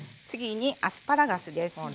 次にアスパラガスです。